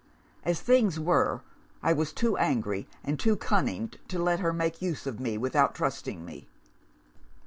As things were, I was too angry and too cunning to let her make use of me without trusting me.